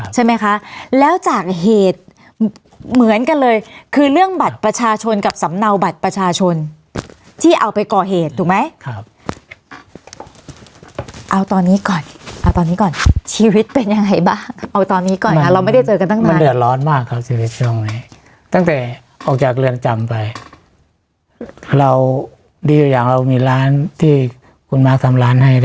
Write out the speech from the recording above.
ใช่ไหมคะแล้วจากเหตุเหมือนกันเลยคือเรื่องบัตรประชาชนกับสำเนาบัตรประชาชนที่เอาไปก่อเหตุถูกไหมครับเอาตอนนี้ก่อนเอาตอนนี้ก่อนชีวิตเป็นยังไงบ้างเอาตอนนี้ก่อนนะเราไม่ได้เจอกันตั้งนานมันเดือดร้อนมากครับชีวิตช่วงนี้ตั้งแต่ออกจากเรือนจำไปเราดีอยู่อย่างเรามีร้านที่คุณมาทำร้านให้ได้